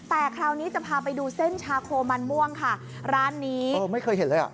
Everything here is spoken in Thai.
แต่คราวนี้จะพาไปดูเส้นชาโคมันม่วงค่ะร้านนี้เออไม่เคยเห็นเลยอ่ะ